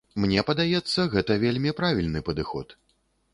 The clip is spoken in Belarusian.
Мне падаецца, гэта вельмі правільны падыход.